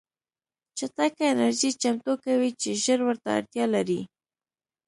چټکه انرژي چمتو کوي چې ژر ورته اړتیا لري